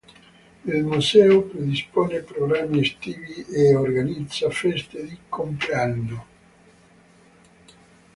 Il museo predispone programmi estivi e organizza feste di compleanno.